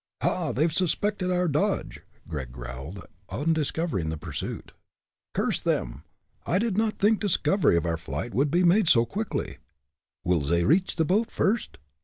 "Ha! they've suspected our dodge!" Gregg growled, on discovering the pursuit. "Curse them! I did not think discovery of our flight would be made so quickly." "Will zey reach ze boat first?"